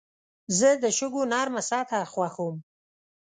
زه د شګو نرمه سطحه خوښوم.